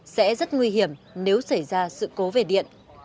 sẽ rất nguy hiểm nếu xảy ra sự cố về điện